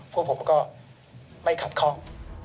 พวกผมก็ไม่ขัดข้อง